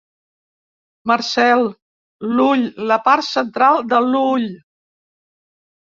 Marcel: l'ull, la part central de l'ull.